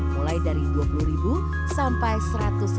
mulai dari rp dua puluh sampai rp seratus